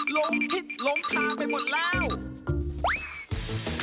ลงทิศหลงทางไปหมดแล้ว